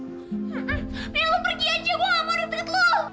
eh lo pergi aja gue ngamarin deket lo